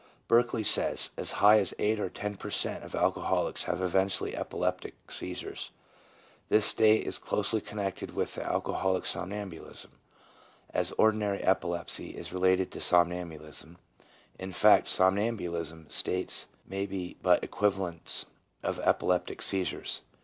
Berkley says, 5 " As high as eight or ten per cent, of alcoholics have eventually epileptic seizures." This state is closely connected with the Alcoholic Somnambulism, as ordinary epilepsy is related to somnambulism ; in fact, the somnambu listic states may be but equivalents of epileptic seizures.